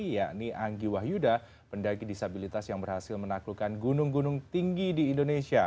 yakni anggi wahyuda pendaki disabilitas yang berhasil menaklukkan gunung gunung tinggi di indonesia